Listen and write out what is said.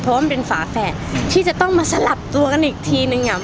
เพราะว่ามันเป็นฝาแฝดที่จะต้องมาสลับตัวกันอีกทีนึงอ่ะ